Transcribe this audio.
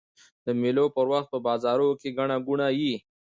د مېلو پر وخت په بازارو کښي ګڼه ګوڼه يي.